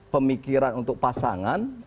pemikiran untuk pasangan